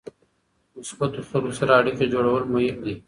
مثبتو خلکو سره اړیکه جوړول مهم دي.